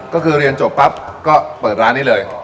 ก็คือเรียนจบปั๊บก็เปิดร้านนี้เลย